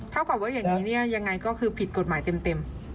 ถ้าบอกว่าอย่างนี้ยังไงก็คือผิดกฎหมายเต็ม